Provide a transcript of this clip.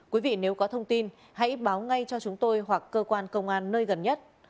quý vị nếu có thông tin hãy báo ngay cho chúng tôi hoặc cơ quan công an nơi gần nhất